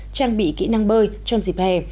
trang bị kỹ năng bơi trong dịp hè